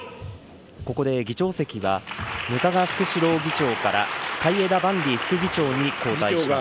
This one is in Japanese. ここで議長席は、額賀福志郎議長から海江田万里副議長に交代します。